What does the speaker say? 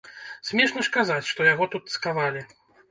Смешна ж казаць, што яго тут цкавалі.